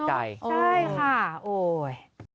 ใช่ค่ะโอ๊ย